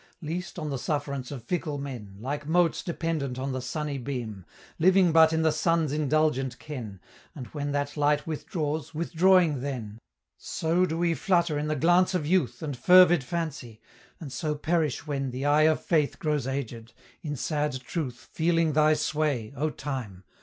Leased on the sufferance of fickle men, Like motes dependent on the sunny beam, Living but in the sun's indulgent ken, And when that light withdraws, withdrawing then; So do we flutter in the glance of youth And fervid fancy, and so perish when The eye of faith grows aged; in sad truth, Feeling thy sway, O Time!